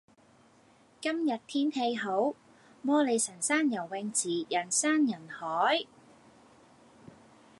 今日天氣好，摩理臣山游泳池人山人海。